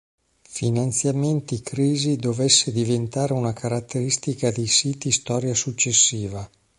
Finanziamenti crisi dovesse diventare una caratteristica dei siti storia successiva.